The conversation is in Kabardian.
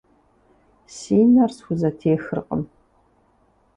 Си нэр схузэтехыркъым.